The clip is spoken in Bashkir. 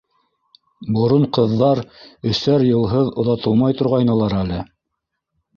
Борон ҡыҙҙар өсәр йылһыҙ оҙатылмай торғайнылар әле.